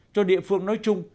cho địa phương nói chung